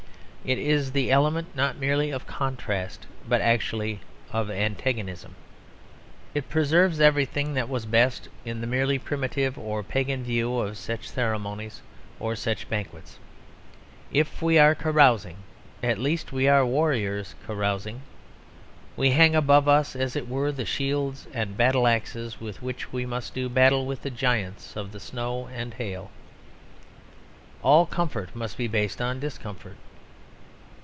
It is the element not merely of contrast, but actually of antagonism. It preserves everything that was best in the merely primitive or pagan view of such ceremonies or such banquets. If we are carousing, at least we are warriors carousing. We hang above us, as it were, the shields and battle axes with which we must do battle with the giants of the snow and hail. All comfort must be based on discomfort.